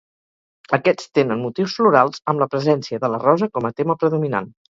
Aquests tenen motius florals amb la presència de la rosa com a tema predominant.